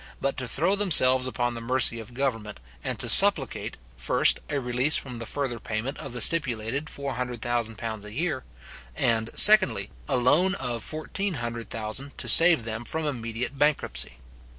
but to throw themselves upon the mercy of govermnent, and to supplicate, first, a release from the further payment of the stipulated £400,000 a year; and, secondly, a loan of fourteen hundred thousand, to save them from immediate bankruptcy.